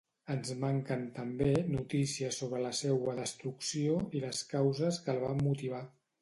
Ens manquen també notícies sobre la seua destrucció i les causes que la van motivar.